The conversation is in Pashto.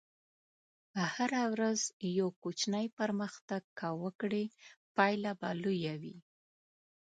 هره ورځ یو کوچنی پرمختګ که وکړې، پایله به لویه وي.